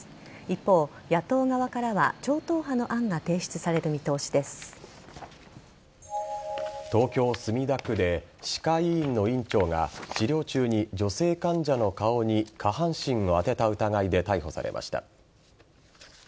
一方、野党側からは超党派の案が提出される東京・墨田区で歯科医院の院長が治療中に女性患者の顔に下半身を当てた疑いで逮捕されました。